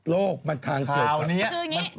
โรคมันทางเกิด